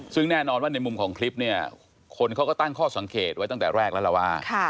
ซึ่งแน่นอนว่าในมุมของคลิปเนี่ยคนเขาก็ตั้งข้อสังเกตไว้ตั้งแต่แรกแล้วล่ะว่า